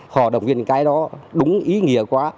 họ đồng viên cái đó đúng ý nghĩa quá